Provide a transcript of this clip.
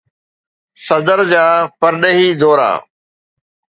صدر جا پرڏيهي دورا